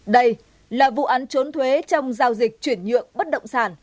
đây là vụ án trốn thuế trong giao dịch chuyển nhượng bất động sản